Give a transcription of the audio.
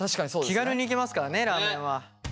気軽に行けますからねラーメンは。